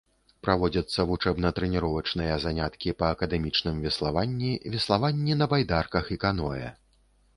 Праводзяцца вучэбна-трэніровачныя заняткі па акадэмічным веславанні, веславанні на байдарках і каноэ.